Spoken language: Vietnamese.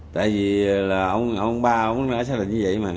tại vì là ông ba ông ấy đã xác định như vậy mà